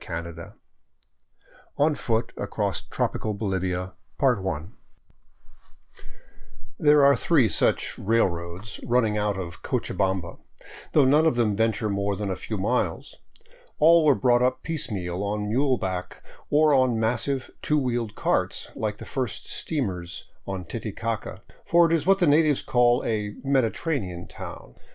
516 CHAPTER XIX ON FOOT ACROSS TROPICAL BOLIVIA THERE are three such "railroads'* running out of Cocha bamba, though none of them venture more than a few miles. All were brought up piecemeal on muleback or on massive two wheel carts, like the first steamers on Titicaca, for it is what the natives call a " mediterranean " town.